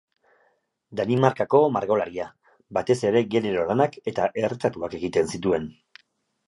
Danimarkako margolaria, batez ere genero lanak eta erretratuak egin zituen.